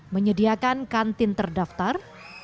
menyediakan kantin terdaftar